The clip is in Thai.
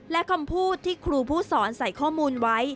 และคำพูดที่ครูผู้สอนใส่ข้อมูลไว้